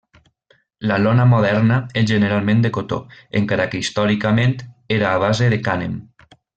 La lona moderna és generalment de cotó, encara que històricament, era a base de cànem.